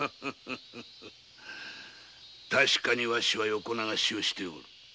確かにわしは横流しをしておる。